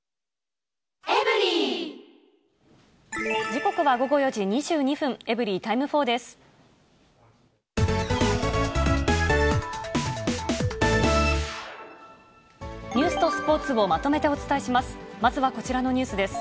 時刻は午後４時２２分、エブリィタイム４です。